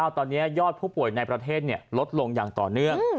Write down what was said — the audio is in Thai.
ตอนนี้ยอดผู้ป่วยในประเทศลดลงอย่างต่อเนื่อง